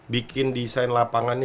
bikin desain lapangannya